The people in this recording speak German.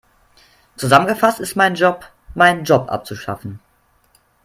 Zusammengefasst ist mein Job, meinen Job abzuschaffen.